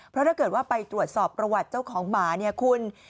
เพราะถ้าเกิดว่าไปตรวจสอบประวัติเจ้าของหมาเนี่ยคุณ